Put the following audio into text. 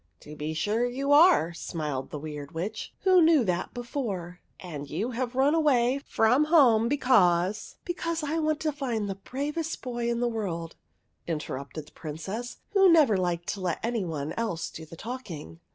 "To be sure you are," smiled the Weird Witch, who knew that before ;" and you have run away from home because —"" Because I want to find the bravest boy in the world," interrupted the Princess, who never liked to let anybody else do the talking.